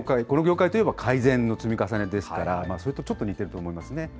この業界といえば改善の積み重ねですから、それとちょっと似ていると思いますね。